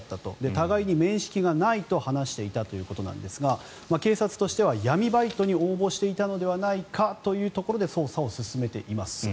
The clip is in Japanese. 互いに面識がないと話していたということなんですが警察としては闇バイトに応募していたのではないかというところで捜査を進めています。